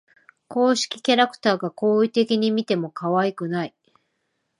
公式キャラクターが好意的に見てもかわいくない